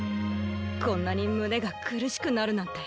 こんなにむねがくるしくなるなんて。